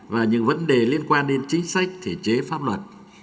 và những vấn đề liên quan đến chính sách thể chế pháp luật